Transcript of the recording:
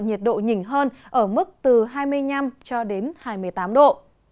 nhiệt độ nhỉnh hơn ở mức từ hai mươi năm cho đến hai mươi tám độ